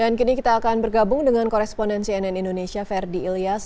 dan kini kita akan bergabung dengan korespondensi nn indonesia verdi ilyas